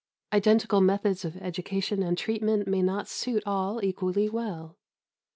Identical methods of education and treatment may not suit all equally well.